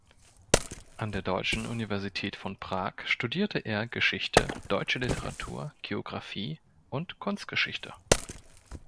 An der deutschen Universität von Prag studierte er Geschichte, deutsche Literatur, Geographie und Kunstgeschichte.